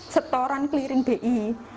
setoran kelirin bi